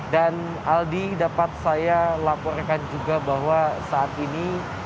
dan aldi dapat saya laporkan juga bahwa saat ini